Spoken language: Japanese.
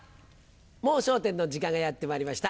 『もう笑点』の時間がやってまいりました。